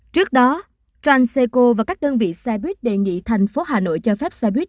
trước đó transeco và các đơn vị xe bus đề nghị thành phố hà nội cho phép xe bus